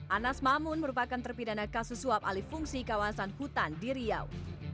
anas mamun merupakan terpidana kasus suap alih fungsi kawasan hutan di riau